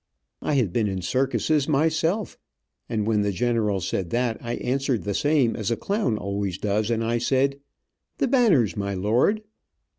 I had been in circuses myself, and when the general said that I answered the same as a clown always does, and I said: "The banners, my lord."